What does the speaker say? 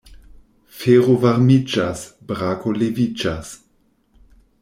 Fero varmiĝas, Brako leviĝas.